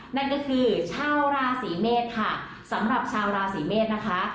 นั่นก็คือชาวราศีเมษค่ะสำหรับชาวราศีเมษนะคะ